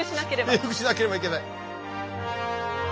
平伏しなければいけない。